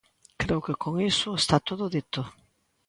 Creo que con iso está todo dito.